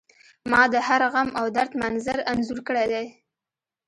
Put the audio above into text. ما د هر غم او درد منظر انځور کړی دی